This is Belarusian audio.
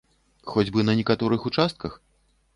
Хоць бы на некаторых участках?